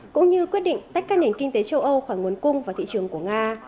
cũng như quyết định tách các nền kinh tế châu âu khỏi nguồn cung và thị trường của nga